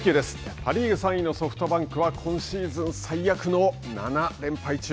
パ・リーグ３位のソフトバンクは今シーズン最悪の７連敗中。